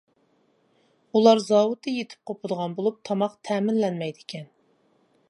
ئۇلار زاۋۇتتا يىتىپ- قوپىدىغان بولۇپ، تاماق تەمىنلەنمەيدىكەن.